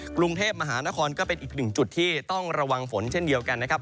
กรุงเทพมหานครก็เป็นอีกหนึ่งจุดที่ต้องระวังฝนเช่นเดียวกันนะครับ